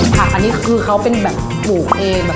ผักอันนี้คือเขาเป็นแบบปลูกเองแบบ